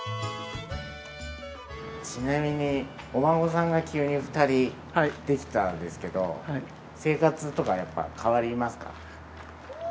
ちなみにお孫さんが急に２人できたんですけど生活とかやっぱ変わりますか？